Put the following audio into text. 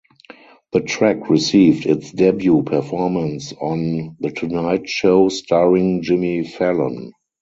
The track received its debut performance on "The Tonight Show Starring Jimmy Fallon".